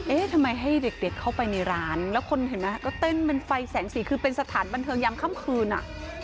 เอ๊ะทำไมให้เด็กเข้าไปในร้านแล้วคนเห็นไหมก็เต้นเป็นไฟแสงสีคือเป็นสถานบันเทิงยามค่ำคืนอ่ะ